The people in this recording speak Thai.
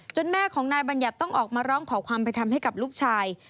แม่ของนายบัญญัติต้องออกมาร้องขอความไปทำให้กับลูกชาย